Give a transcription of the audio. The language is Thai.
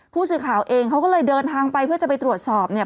ผู้สื่อข่าวเองเขาก็เลยเดินทางไปเพื่อจะไปตรวจสอบเนี่ย